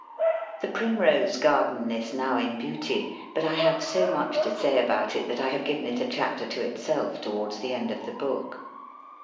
_)] The Primrose garden is now in beauty, but I have so much to say about it that I have given it a chapter to itself towards the end of the book.